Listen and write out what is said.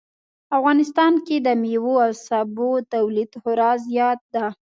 افغانستان کې د میوو او سبو تولید خورا زیات ده